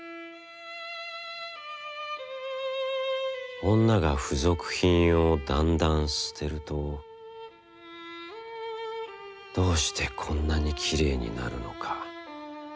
「をんなが付属品をだんだん棄てるとどうしてこんなにきれいになるのか。